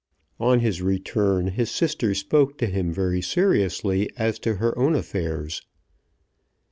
On his return his sister spoke to him very seriously as to her own affairs.